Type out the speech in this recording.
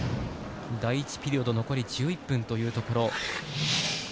第１ピリオド、残り１１分というところ。